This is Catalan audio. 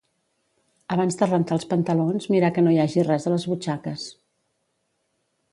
Abans de rentar els pantalons mirar que no hi hagi res a les butxaques